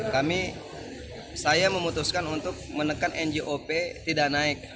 kami saya memutuskan untuk menekan njop tidak naik